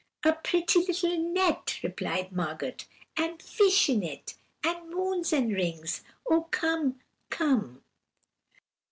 "'A pretty little net,' replied Margot, 'and fish in it, and moons and rings. Oh, come, come!'